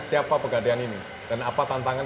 siapa pegadean ini dan apa tantangan